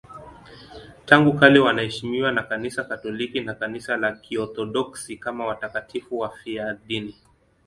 Tangu kale wanaheshimiwa na Kanisa Katoliki na Kanisa la Kiorthodoksi kama watakatifu wafiadini.